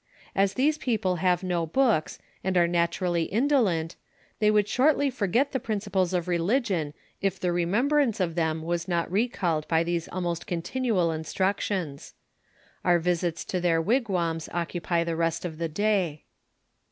Aa these people have no liooks, and are naturally indolent, they would shortly forget the principles of religion if the remembrance of them was not recalled by thet« almost continual instruotions. Our vbita to their wigwams occupy the rest of the day.